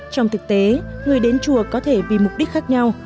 trong thực tế người đến chùa có thể vì mục đích khác nhau